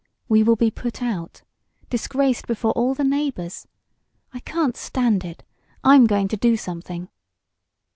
"We will be put out disgraced before all the neighbors! I can't stand it. I'm going to do something!"